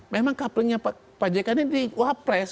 memang couplingnya pak jk ini di wapres